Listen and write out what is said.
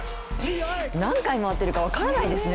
何回、回ってるか分からないですね。